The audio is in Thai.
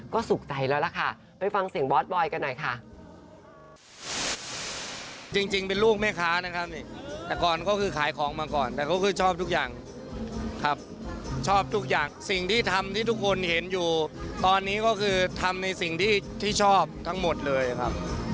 ก็สุขใจแล้วล่ะค่ะไปฟังเสียงบอสบอยกันหน่อยค่ะ